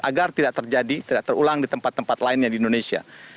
agar tidak terjadi tidak terulang di tempat tempat lainnya di indonesia